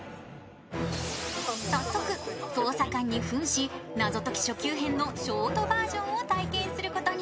早速捜査官に分し謎解き初級編のショートバージョンを体験することに。